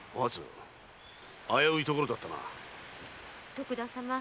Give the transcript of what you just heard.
徳田様。